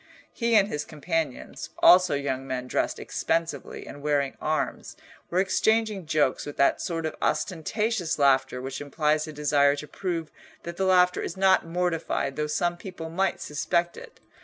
He and his companions, also young men dressed expensively and wearing arms, were exchanging jokes with that sort of ostentatious laughter which implies a desire to prove that the laughter is not mortified though some people might suspect it.